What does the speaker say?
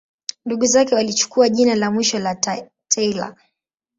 Ndugu zake walichukua jina la mwisho la Taylor.